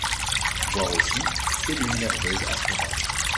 Voir aussi cellules nerveuses afférentes.